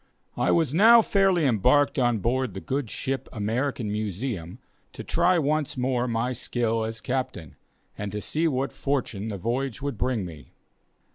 I was now fairly embarked on board the good old ship American Museum, to try once more my skill as captain, and to see what fortune the voyage would bring me.